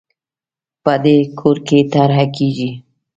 په دې کور کې طرحه کېږي